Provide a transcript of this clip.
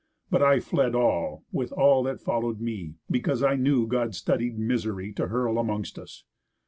But I fled all, with all that follow'd me, Because I knew God studied misery, To hurl amongst us.